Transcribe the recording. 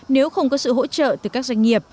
nếu không có sự hỗ trợ từ các doanh nghiệp